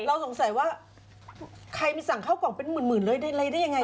เราสงสัยว่าใครไปสั่งข้าวกล่องเป็นหมื่นเลยได้ยังไง